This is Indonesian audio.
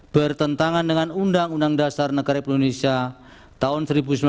bertentangan dengan undang undang dasar negara indonesia tahun seribu sembilan ratus empat puluh lima